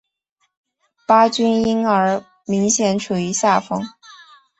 巴军因而明显处于下风。